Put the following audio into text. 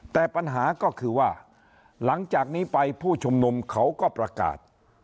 แต่ปัญหาก็คือว่าหลังจากนี้ไปผู้ชุมนุมเขาก็ประกาศ